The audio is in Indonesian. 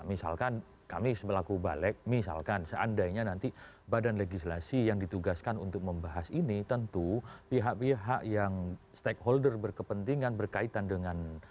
misalkan kami selaku balek misalkan seandainya nanti badan legislasi yang ditugaskan untuk membahas ini tentu pihak pihak yang stakeholder berkepentingan berkaitan dengan